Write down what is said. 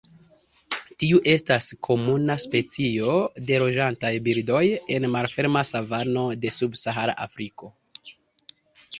Tiu estas komuna specio de loĝantaj birdoj en malferma savano de Subsahara Afriko.